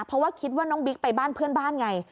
เพราะว่าคิดว่าน้องบิ๊กไปบ้านเพื่อนบ้านไง